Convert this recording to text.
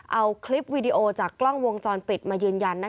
เอาคลิปวีดีโอจากกล้องวงจรปิดมายืนยัน